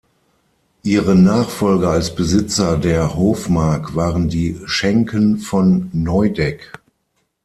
Ihre Nachfolger als Besitzer der Hofmark waren die Schenken von Neudeck.